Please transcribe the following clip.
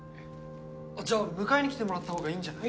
じゃあ迎えに来てもらったほうがいいんじゃない？